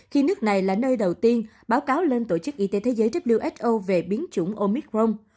khi nước này là nơi đầu tiên báo cáo lên tổ chức y tế thế giới who về biến chủng omicron